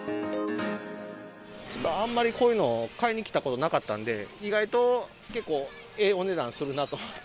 ちょっとあんまりこういうの買いに来たことなかったんで、意外と結構ええお値段するなと思って。